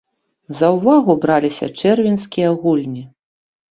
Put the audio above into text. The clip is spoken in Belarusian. За ўвагу браліся чэрвеньскія гульні.